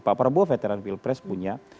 pak prabowo veteran pilpres punya